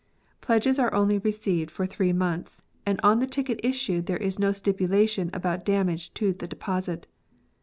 Pledges are only received for three months, and on the ticket issued there is no stipulation about damage to the deposit.